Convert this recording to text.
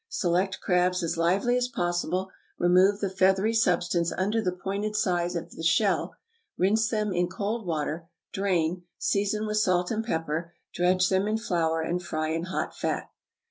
Select crabs as lively as possible; remove the feathery substance under the pointed sides of the shells; rinse them in cold water; drain; season with salt and pepper; dredge them in flour, and fry in hot fat.